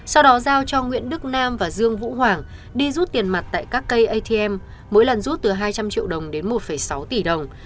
sau đó giao cho nguyễn đức nam và dương vũ hoàng đi rút tiền mặt tại các cây atm mỗi lần rút từ hai trăm linh triệu đồng đến một sáu tỷ đồng